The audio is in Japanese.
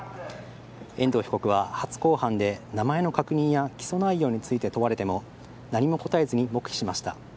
遠藤被告は初公判で名前の確認や起訴内容について問われても何も答えずに黙秘しました。